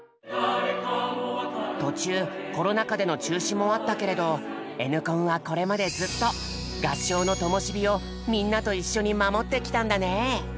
途中コロナ禍での中止もあったけれど「Ｎコン」はこれまでずっと合唱のともし火をみんなと一緒に守ってきたんだね。